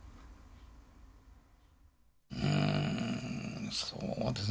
うんそうですね